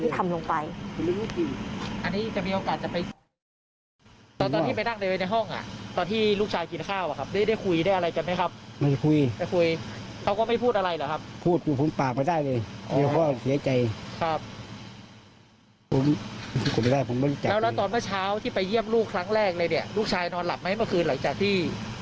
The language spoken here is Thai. ที่ไปเยี่ยมลูกครั้งแรกเลยเนี่ยลูกชายนอนหลับไหมเมื่อคืนหลังจากที่